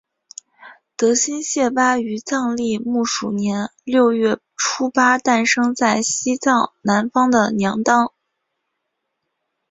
德新谢巴于藏历木鼠年六月初八诞生在西藏南方的娘当。